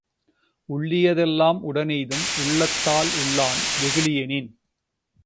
உள்ளிய தெல்லாம் உடனெய்தும் உள்ளத்தால் உள்ளான் வெகுளி யெனின்.